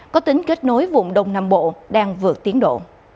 có tính kết nối vùng đông nam bộ đang vượt tiến độ